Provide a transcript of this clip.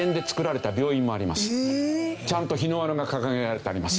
ちゃんと日の丸が掲げられてあります。